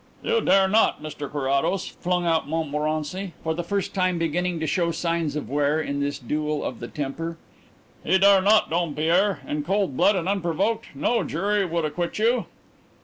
"You dare not, Mr Carrados!" flung out Montmorency, for the first time beginning to show signs of wear in this duel of the temper. "He dare not, Dompierre. In cold blood and unprovoked! No jury would acquit you!"